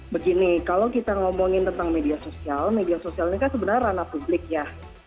begini kalau kita ngomongin tentang media sosial media sosial ini kan sebenarnya ranah publik ya